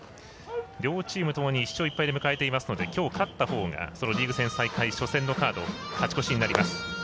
両チームともに１勝１敗で迎えているのできょう勝ったほうがリーグ戦再開最初のカード勝ち越しになります。